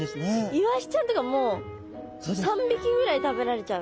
イワシちゃんとかもう３匹ぐらい食べられちゃう。